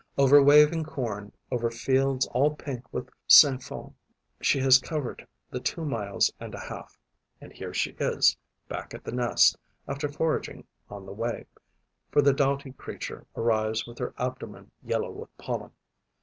Over waving corn, over fields all pink with sainfoin, she has covered the two miles and a half; and here she is, back at the nest, after foraging on the way, for the doughty creature arrives with her abdomen yellow with pollen.